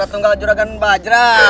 ratu ratu juragan bajra